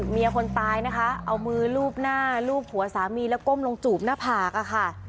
คนตายนะคะเอามือลูบหน้าลูบหัวสามีแล้วก้มลงจูบหน้าผากอะค่ะ